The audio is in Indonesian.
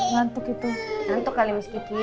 nantuk kali miss kiki